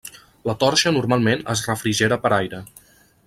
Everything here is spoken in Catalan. La torxa normalment es refrigera per aire.